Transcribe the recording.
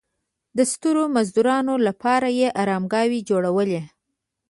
د ستړو مزدورانو لپاره یې ارامګاوې جوړولې.